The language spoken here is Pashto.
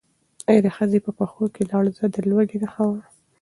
ایا د ښځې په پښو کې لړزه د لوږې نښه وه؟